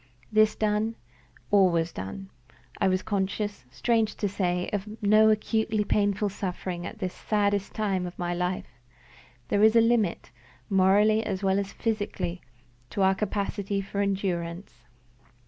This done, all was done. I was conscious, strange to say, of no acutely painful suffering at this saddest time of my life. There is a limit, morally as well as physically, to our capacity for endurance.